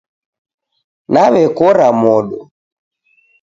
Nawekora modo